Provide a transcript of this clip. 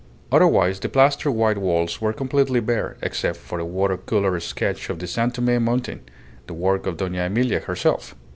Otherwise, the plastered white walls were completely bare, except for a water colour sketch of the San Tome mountain the work of Dona Emilia herself.